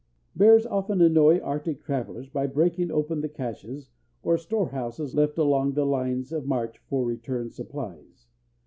Bears often annoy arctic travellers by breaking open the caches, or store houses, left along the line of march for return supplies.